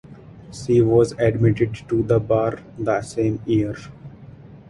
She was admitted to the bar the same year.